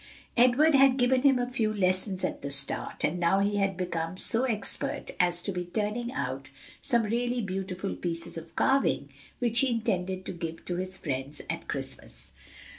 Edward had given him a few lessons at the start, and now he had become so expert as to be turning out some really beautiful pieces of carving, which he intended to give to his friends at Christmas.